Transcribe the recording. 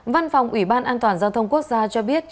văn phòng ủy ban an toàn giao thông quốc gia cho biết